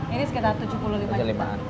ini sekitar tujuh puluh lima juta